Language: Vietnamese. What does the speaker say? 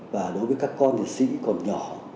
và đối với các con địa sĩ còn nhỏ